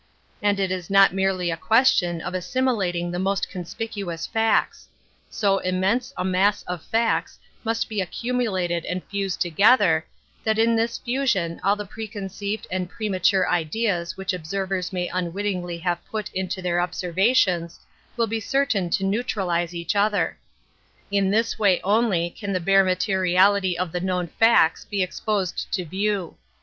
And it is not merely a question of assimilating the most conspicuous facts ; so immense a mass of facts must be accumulated and fused to gether, that in this fusion all the precon ceived and premature ideas which observers may unwittingly have put into their ob servations will be certain to neutralize each other. In this way only can the bare ma teriality of the known facts be exposed to view.